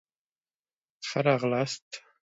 ښه راغلاست